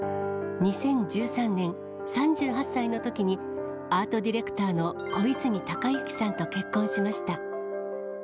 ２０１３年、３８歳のときに、アートディレクターの小泉貴之さんと結婚しました。